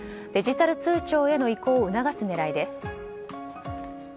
デジタル通帳への移行を促す狙いです。